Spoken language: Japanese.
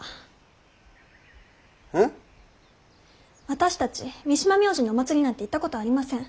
私たち三島明神のお祭りなんて行ったことありません。